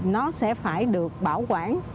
nó sẽ phải được bảo quản